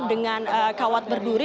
dengan kawat berduri